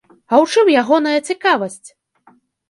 А ў чым ягоная цікавасць?